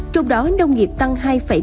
trong đó nông nghiệp tăng hai một mươi sáu